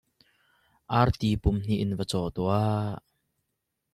Arti pumhnih in va caw tuah.